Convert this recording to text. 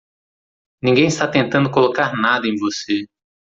Ninguém está tentando colocar nada em você.